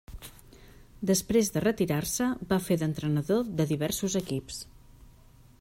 Després de retirar-se va fer d'entrenador de diversos equips.